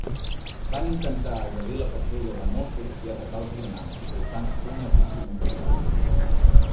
Van intentar agredir la patrulla de mossos i atacar els vianants, provocant una víctima mortal.